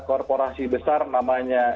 korporasi besar namanya